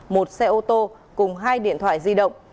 một xe ô tô cùng hai điện thoại di động